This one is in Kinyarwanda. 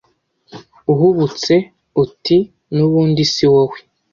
uhubutse uti n ubundi si wowe